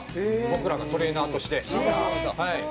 僕らがトレーナーとしてはい」